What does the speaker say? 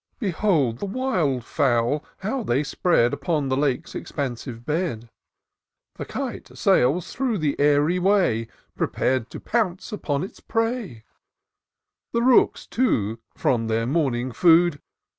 Behold the wild fowl, how they spread Upon the Lake's expansive bed : The kite sails through the airy way, Prepar'd to pounce upon its prey : The rooks, too, from their morning food.